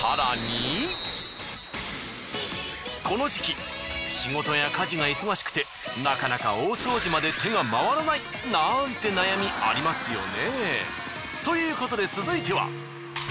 この時期仕事や家事が忙しくてなかなか大掃除まで手が回らない！なんて悩みありますよね。ということで続いては。